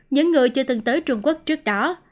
những người chưa từng tới trung quốc trước đó